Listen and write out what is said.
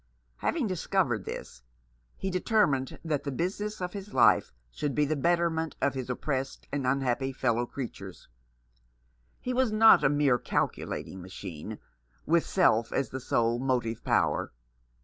Having discovered this, he deter mined that the business of his life should be the betterment of his oppressed and unhappy fellow creatures. He was not a mere calculating machine, with self as the sole motive power.